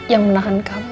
yang menahan kamu